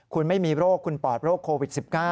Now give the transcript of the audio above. คุณไม่มีโรคคุณปอดโรคโควิด๑๙